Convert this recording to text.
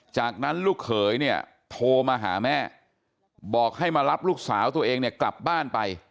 จากนั้นลูกเขยเนี่ยโทรมาหาแม่บอกให้มารับลูกสาวตัวเองเนี่ยกลับบ้านไป